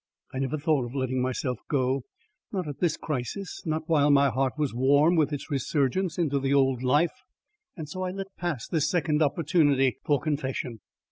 I never thought of letting myself go not at this crisis not while my heart was warm with its resurgence into the old life. And so I let pass this second opportunity for confession.